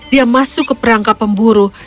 dia masuk ke perangkap pemburu